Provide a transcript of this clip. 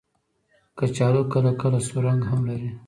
کچالو کله کله سور رنګ هم لري